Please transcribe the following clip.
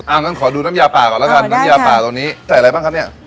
อ้าวงั้นขอดูน้ำยาปลาก่อนละกันน้ำยาปลาตรงนี้ใส่อะไรบ้างครับนี่